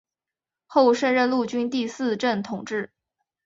后升任陆军第四镇统制。